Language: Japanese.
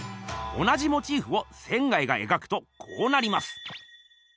同じモチーフを仙がえがくとこうなります。